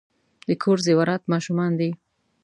د کور زیورات ماشومان دي .